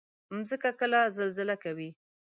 مځکه کله زلزله کوي.